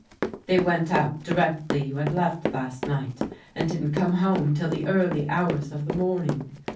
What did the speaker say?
"They went out directly you had left last night, and didn't come home till the early hours of the morning.